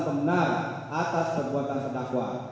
pemenang atas perbuatan terdakwa